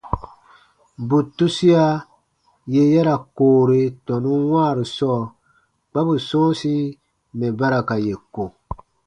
Bù tusia yè ya ra koore tɔnun wãaru sɔɔ kpa bù sɔ̃ɔsi mɛ̀ ba ra ka yè ko.